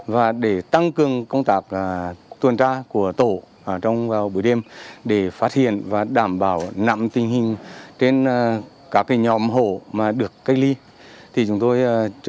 và để tăng cường công tác tuần tra của tổ trong vào buổi đêm để phát hiện và đảm bảo nặng tình hình trên các nhóm hộ mà được cách ly